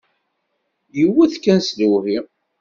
Iwwet kan s lehwi.